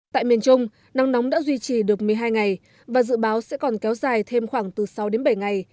tại miền trung nắng nóng đã duy trì được một mươi hai ngày và dự báo sẽ còn kéo dài thêm khoảng từ sáu đến bảy ngày